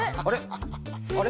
あれ？